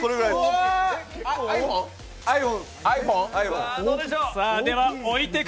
ｉＰｈｏｎｅ。